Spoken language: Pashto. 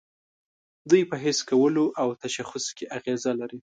دوی په حس کولو او تشخیص کې اغیزه لري.